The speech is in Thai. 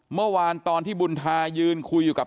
เมื่อวานตอนที่บุญทายืนคุยอยู่กับ